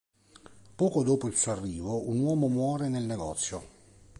Poco dopo il suo arrivo un uomo muore nel negozio.